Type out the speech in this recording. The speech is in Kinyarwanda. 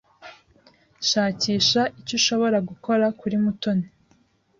Shakisha icyo ushobora gukora kuri Mutoni.